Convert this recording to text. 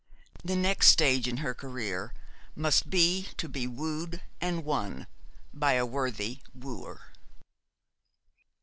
The next stage in her career must be to be wooed and won by a worthy wooer.